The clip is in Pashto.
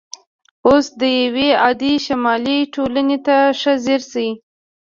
اوس یوې عادي شمالي ټولنې ته ښه ځیر شئ